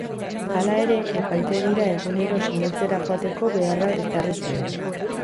Hala ere, epaitegira egunero sinatzera joateko beharra ezarri zien.